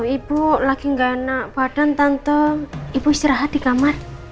ibu lagi nggak enak badan tante ibu istirahat di kamar